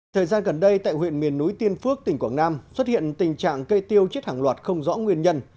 thời gian gần đây tại huyện miền núi tiên phước tỉnh quảng nam xuất hiện tình trạng cây tiêu chết hàng loạt không rõ nguyên nhân